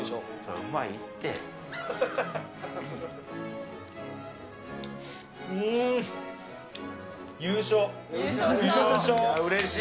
うれしい。